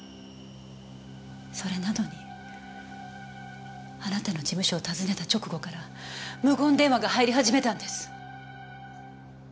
それなのにあなたの事務所を訪ねた直後から無言電話が入り始めたんです。